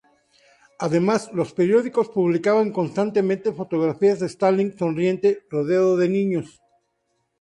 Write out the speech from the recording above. Además, los periódicos publicaban constantemente fotografías de Stalin sonriente, rodeado de niños.